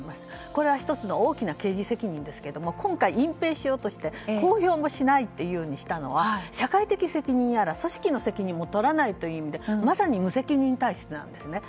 これは１つの大きな刑事責任ですけれども今回、隠蔽しようとして公表もしないようにしたのは社会的責任やら組織の責任も取らない意味でまさに無責任体質なんですね。